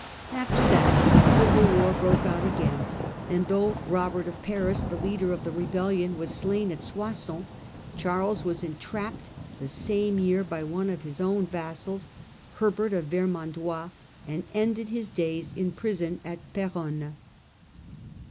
After that, civil war broke out again, and though Eobert of Paris, the leader of the rebellion, was slain at Soissons, Charles was entrapped the same year by one of his vassals, Herbert of Vermandois, and ended his days in prison at Peronne.